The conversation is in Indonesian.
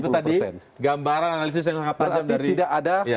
itu tadi gambaran analisis yang sangat panjang